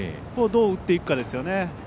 どう打っていくかですよね。